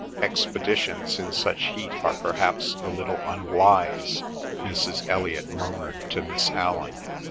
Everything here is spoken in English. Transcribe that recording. "Expeditions in such heat are perhaps a little unwise," Mrs. Elliot murmured to Miss Allan.